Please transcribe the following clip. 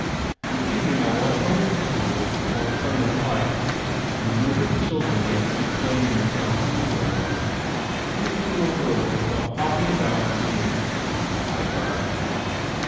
In the evening I walked home from school along Turner's Pike and remembered the children I had seen playing in the town school yard. A troop of little girls had gone hopping about and singing. I tried that.